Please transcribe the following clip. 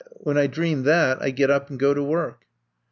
When I dream that I get up and go to work.